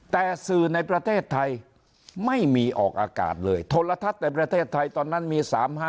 แต่สื่อในประเทศไทยไม่มีออกอากาศเลยโทรทัศน์ในประเทศไทยตอนนั้นมี๓๕